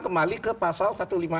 kembali ke pasal satu ratus lima puluh